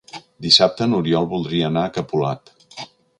Dissabte n'Oriol voldria anar a Capolat.